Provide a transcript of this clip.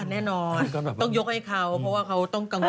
แน่นอนต้องยกให้เขาเพราะว่าเขาต้องกังวล